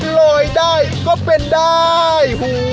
ลอยได้ก็เป็นได้